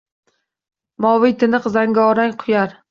Moviy, tiniq zangorrang quyar